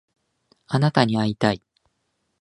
あなたに会いたい